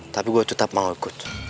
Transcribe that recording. tapi gue tetap mau ikut